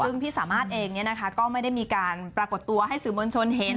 ซึ่งพี่สามารถเองก็ไม่ได้มีการปรากฏตัวให้สื่อมวลชนเห็น